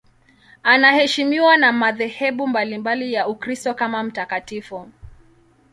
Anaheshimiwa na madhehebu mbalimbali ya Ukristo kama mtakatifu.